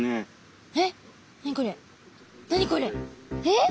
えっ！？